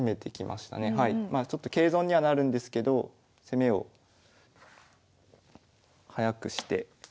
まあちょっと桂損にはなるんですけど攻めを早くしてスピードで。